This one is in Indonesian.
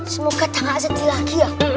semoga tak seti lagi ya